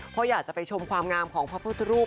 เพราะอยากจะไปชมความงามของพระพุทธรูป